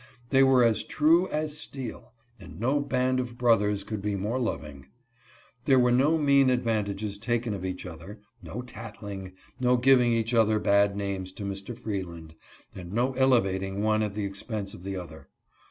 They were as true as steel, and no band of brothers could be more loving. There were no mean advantages taken of each other, no tattling, no giving each other bad names to Mr. Freeland, and no elevating one at the expense of the other.